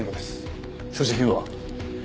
所持品は？